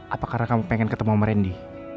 apa karena kamu pengen ketemu sama randy